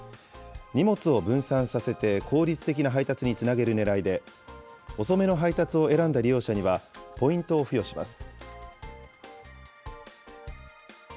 荷物を分散させて効率的な配達につなげるねらいで、遅めの配達を選んだ利用者にはポイントを付与します。